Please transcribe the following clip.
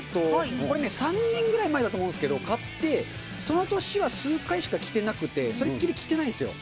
これ、３年ぐらい前だと思うんですけど、買って、その年は数回しか着てなくて、それっきり着てないんですよ。